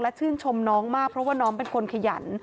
ชื่นชมน้องมากเพราะว่าน้องเป็นคนขยัน